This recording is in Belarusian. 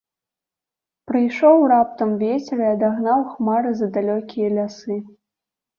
Прыйшоў раптам вецер і адагнаў хмары за далёкія лясы.